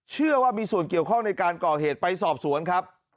เชื่อว่ามีส่วนเกี่ยวข้องในการก่อเหตุไปสอบสวนครับ